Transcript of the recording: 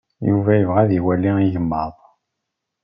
Yuba yebɣa ad iwali igmaḍ.